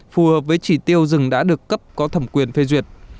phù hợp với chỉ tiêu rừng đã được cấp có thẩm quyền phê duyệt